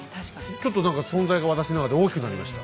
ちょっと何か存在が私の中で大きくなりました。